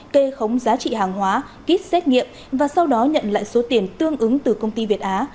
kê khống giá trị hàng hóa kit xét nghiệm và sau đó nhận lại số tiền tương ứng từ công ty việt á